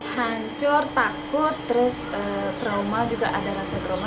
hancur takut terus trauma juga ada rasa trauma